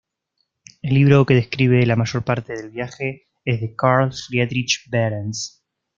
El libro que describe la mayor parte del viaje es de Carl Friedrich Behrens.